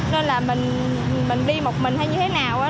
nên là mình đi một mình hay như thế nào